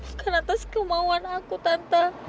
bukan atas kemauan aku tante